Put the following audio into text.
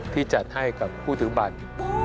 ที่จัดให้กับผู้ถือบัตร